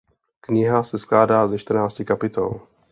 Kniha se skládá ze čtrnácti kapitol.